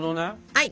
はい。